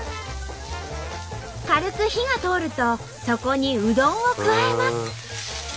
軽く火が通るとそこにうどんを加えます。